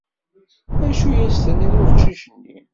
acu i as-tenniḍ i uqcic-nni?